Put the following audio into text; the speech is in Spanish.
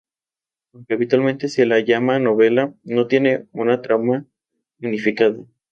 Aunque habitualmente se la llama novela, no tiene una trama unificada.